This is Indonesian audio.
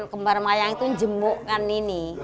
kembar mayang itu jembokkan ini